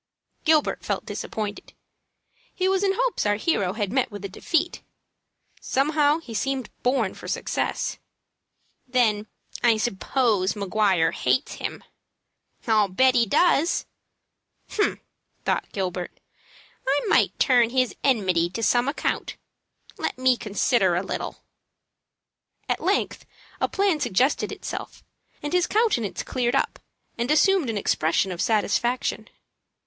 Gilbert felt disappointed. He was in hopes our hero had met with a defeat. Somehow he seemed born for success. "Then I suppose Maguire hates him?" "I'll bet he does." "Humph!" thought Gilbert; "I may turn his enmity to some account. Let me consider a little." At length a plan suggested itself, and his countenance cleared up, and assumed an expression of satisfaction.